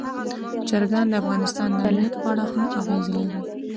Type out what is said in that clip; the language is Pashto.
چرګان د افغانستان د امنیت په اړه هم اغېز لري.